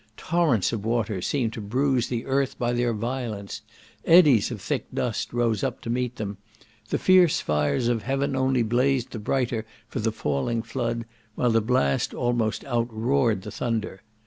Torrents of water seemed to bruise the earth by their violence; eddies of thick dust rose up to meet them; the fierce fires of heaven only blazed the brighter for the falling flood; while the blast almost out roared the thunder.